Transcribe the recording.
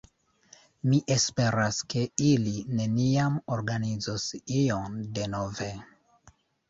Mi esperas, ke ili neniam organizos ion denove.